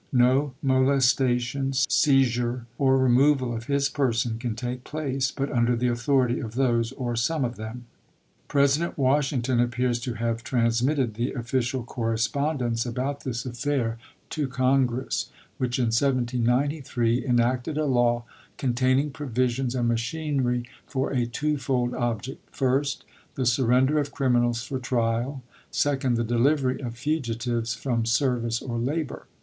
No molestation, seizure, or removal of voapierMis his person can take place, but under the authority celiacs, of thoge? Qr gome of them:, President Washington appears to have transmit ted the official correspondence about this affair to PERSONAL LIBERTY BILLS 21 Congress, which in 1793 enacted a law, containing chap. n. provisions and machinery for a twofold object: Act first, the surrender of criminals for trial ; second, b^iSL the delivery of fugitives from service or labor.